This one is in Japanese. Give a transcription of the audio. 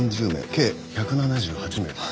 計１７８名です。